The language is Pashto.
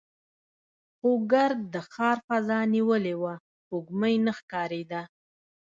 خو ګرد د ښار فضا نیولې وه، سپوږمۍ نه ښکارېده.